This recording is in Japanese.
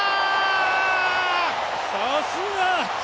さすが！